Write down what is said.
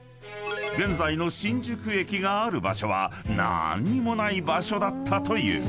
［現在の新宿駅がある場所は何にもない場所だったという］